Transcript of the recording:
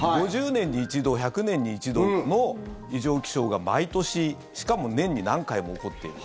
５０年に一度、１００年に一度の異常気象が毎年しかも年に何回も起こっている。